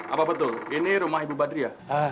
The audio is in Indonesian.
apa betul ini rumah ibu badria